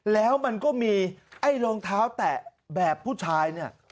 แล้วมันก็มีไอ้รองเท้าแตะแบบผู้ชายเนี่ย